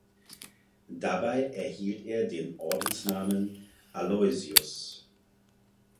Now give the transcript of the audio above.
Dabei erhielt er den Ordensnamen "Aloysius".